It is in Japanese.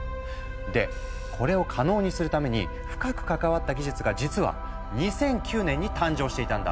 でこれを可能にするために深く関わった技術が実は２００９年に誕生していたんだ。